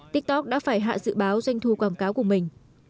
tiktok đã phải hạ dự báo doanh thu quảng cáo của mình